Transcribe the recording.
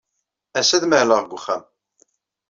Ass-a, ad mahleɣ deg uxxam.